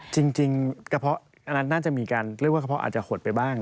จริงกระเพาะอันนั้นน่าจะมีการเรียกว่ากระเพาะอาจจะหดไปบ้าง